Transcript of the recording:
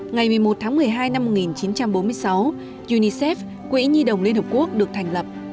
ngày một mươi một tháng một mươi hai năm một nghìn chín trăm bốn mươi sáu unicef quỹ nhi đồng liên hợp quốc được thành lập